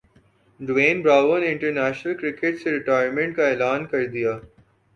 ڈیوین Bravo نے international cricket سے retirement کا اعلان کردیا